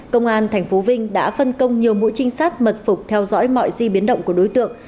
công an tp vinh đã phân công nhiều mũi trinh sát mật phục theo dõi mọi di biến động của đối tượng